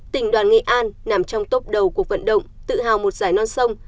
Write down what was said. tỉnh đoàn nghệ an nằm trong tốc đầu cuộc vận động tự hào một giải nón sông